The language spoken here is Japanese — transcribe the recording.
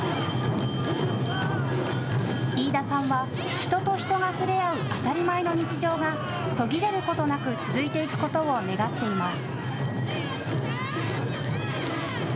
飯田さんは人と人が触れ合う当たり前の日常が途切れることなく続いていくことを願っています。